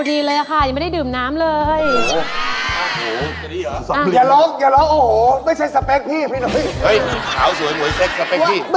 เดียวพล่าวเลยเลยเหรอ